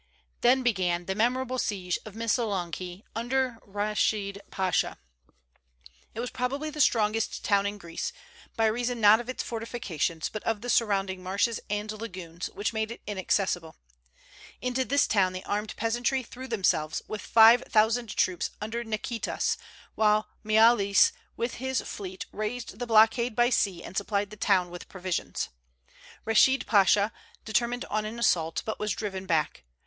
Then began the memorable siege of Missolonghi under Reschid Pasha. It was probably the strongest town in Greece, by reason not of its fortifications but of the surrounding marshes and lagoons which made it inaccessible. Into this town the armed peasantry threw themselves, with five thousand troops under Niketas, while Miaulis with his fleet raised the blockade by sea and supplied the town with provisions. Reschid Pasha determined on an assault, but was driven back.